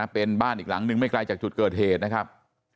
เป็นบ้านอีกหลังนึงไม่ไกลจากจุดเกิดเหตุนะครับ